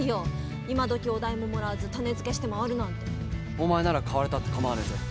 お前なら買われたって構わねえぜ。